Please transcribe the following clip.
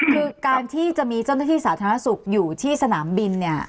คือการที่จะมีเจ้าหน้าที่สาธารณสุขอยู่ที่สนามบินเนี่ย